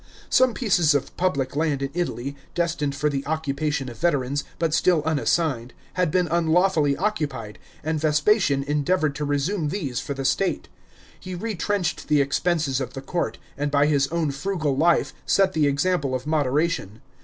Some pieces of public land in Italy, destined for the occupation of veterans, but still un assigned, had been unlawfully occupied, and Vespasian endeavored to resume these for the state. He retrenched the expenses of the court, and by his own frugal life set the example of moderation.